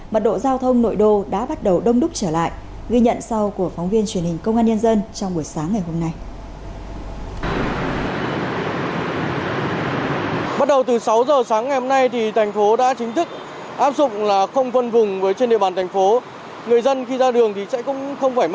mật độ giao thông nội đô đã bắt đầu đông đúc trở lại ghi nhận sau của phóng viên truyền hình công an nhân dân trong buổi sáng ngày hôm nay